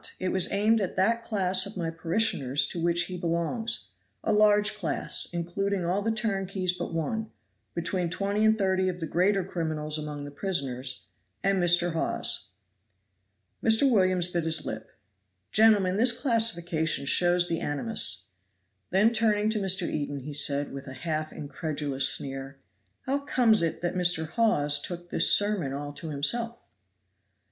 It was aimed at that class of my parishioners to which he belongs; a large class, including all the turnkeys but one, between twenty and thirty of the greater criminals among the prisoners and Mr. Hawes." Mr. Williams bit his lip. "Gentlemen, this classification shows the animus;" then turning to Mr. Eden he said, with a half incredulous sneer, "How comes it that Mr. Hawes took this sermon all to himself?"